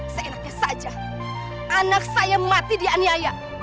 seenaknya saja anak saya mati di aniaya